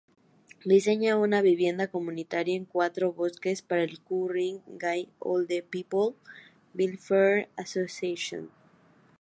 Diseña una vivienda comunitaria en cuatro bloques para el "Ku-ring-gai Old People’s Welfare Association".